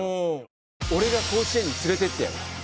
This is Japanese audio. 「俺が甲子園に連れてってやる」。